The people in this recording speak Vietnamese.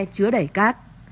cửa đẩy cát